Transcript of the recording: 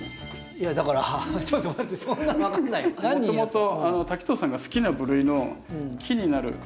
もともと滝藤さんが好きな部類の木になる。